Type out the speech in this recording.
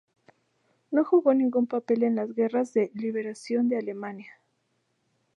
No jugó ningún papel en las guerras de liberación de Alemania.